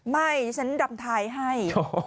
ไม่ฉันรำทายให้